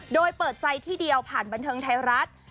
โดยเปิดใจที่เดียวผ่านบันเทิงไทยรัฐ